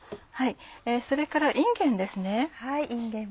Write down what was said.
それからいんげんですね。